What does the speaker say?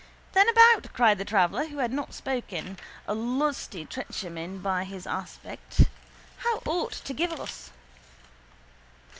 —Then about! cried the traveller who had not spoken, a lusty trencherman by his aspect. Hast aught to give us?